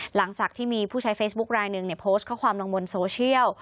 หลังจากที่มีผู้ใช้เฟซบุ๊คลายหนึ่งโพสต์ข้อความลงบนโซเชียล